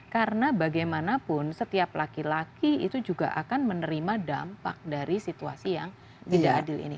karena bagaimanapun setiap laki laki itu juga akan menerima dampak dari situasi yang tidak adil ini